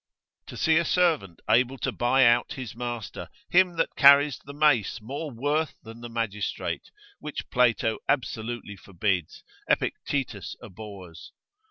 To see a servant able to buy out his master, him that carries the mace more worth than the magistrate, which Plato, lib. 11, de leg., absolutely forbids, Epictetus abhors.